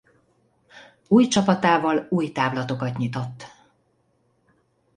Új csapatával új távlatokat nyitott.